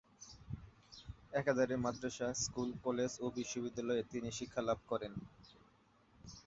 একাধারে মাদ্রাসা, school, college ও বিশ্ববিদ্যালয়ে তিনি শিক্ষা লাভ করেন।